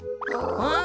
あ？